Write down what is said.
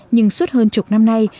nhưng suốt hơn chục năm nay